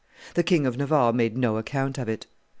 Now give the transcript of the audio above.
The King of Navarre made no account of it.